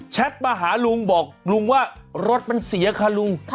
มาหาลุงบอกลุงว่ารถมันเสียค่ะลุง